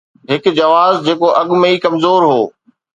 هڪ جواز جيڪو اڳ ۾ ئي ڪمزور هو.